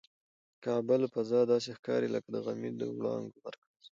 کعبه له فضا داسې ښکاري لکه د غمي د وړانګو مرکز.